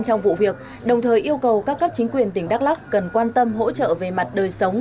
trong vụ việc đồng thời yêu cầu các cấp chính quyền tỉnh đắk lắc cần quan tâm hỗ trợ về mặt đời sống